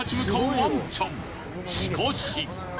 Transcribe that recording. しかし。